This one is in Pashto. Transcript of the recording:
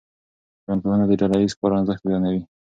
ټولنپوهنه د ډله ایز کار ارزښت بیانوي.